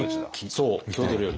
そう郷土料理。